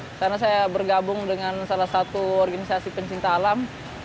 di sana saya bergabung dengan salah satu organisasi pencinta alam